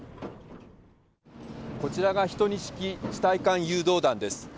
こちらが１２式地対艦誘導弾です。